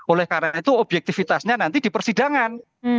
oleh karena itu objektifitasnya nanti di persidangan